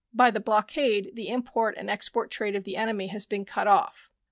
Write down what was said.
By the blockade the import and export trade of the enemy has been cut off.